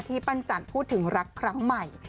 ปั้นจันทร์พูดถึงรักครั้งใหม่